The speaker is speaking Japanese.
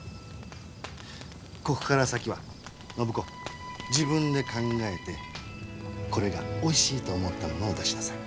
ここから先は暢子自分で考えてこれがおいしいと思ったものを出しなさい。